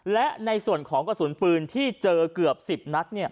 และในส่วนของกระสุนปืนที่เจอเกือบ๑๐นัด